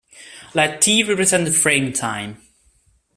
Let T represents the frame time.